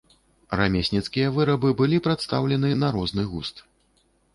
Рамесніцкія вырабы былі прадстаўлены на розны густ.